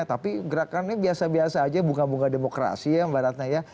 tapi gerakannya biasa biasa aja bunga bunga demokrasi ya mbak ratna ya